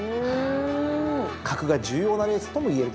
格が重要なレースともいえるでしょうね。